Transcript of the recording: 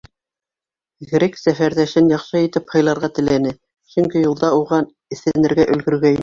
Грек сәфәрҙәшен яҡшы итеп һыйларға теләне, сөнки юлда уға эҫенергә өлгөргәйне.